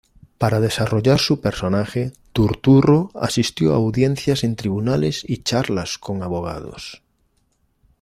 Para desarrollar su personaje, Turturro asistió a audiencias en tribunales y charlas con abogados.